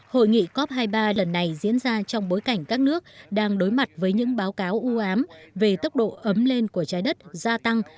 hội nghị cop hai mươi ba lần này diễn ra trong bối cảnh các nước đang đối mặt với những báo cáo ưu ám về tốc độ ấm lên của trái đất gia tăng